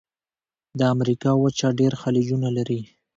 د امریکا وچه ډېر خلیجونه لري.